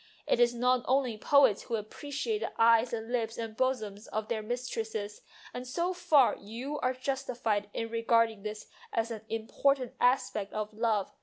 It is not only poets who appreciate the eyes and lips and bosoms of their mistresses, and so far you are justified in regarding this as an important aspect of love.